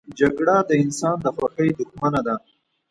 جګړه د انسان د خوښۍ دښمنه ده